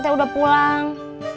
teh udah pulang